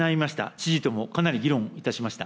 知事ともかなり議論いたしました。